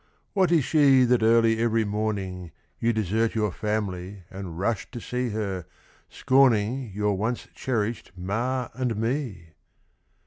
What is she That early every morning You desert your family And rush to see her, scorning Your once cherished ma and me?